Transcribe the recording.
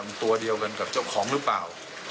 มันตัวเดียวกันกับเจ้าของหรือเปล่า